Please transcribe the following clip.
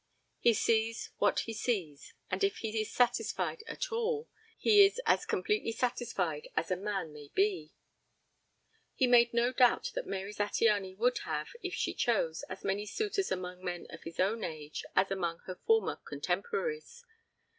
He sees what he sees and if he is satisfied at all he is as completely satisfied as a man may be. He made no doubt that Mary Zattiany would have, if she chose, as many suitors among men of his own age as among her former contemporaries.